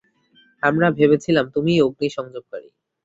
আমরা ভেবেছিলাম তুমিই অগ্নি সংযোগকারী।